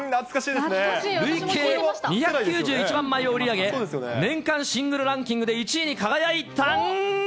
累計２９１万枚を売り上げ、年間シングルランキングで１位に輝いたん。